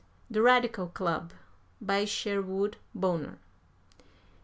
THE RADICAL CLUB. BY SHERWOOD BONNER.